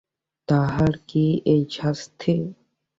তাহারই কি এই শাস্তি?